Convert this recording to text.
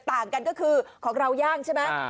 ต่างกันก็คือของเราย่างใช่ไหม